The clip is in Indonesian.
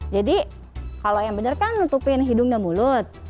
jadi kalau yang bener kan menutupi hidung dan mulut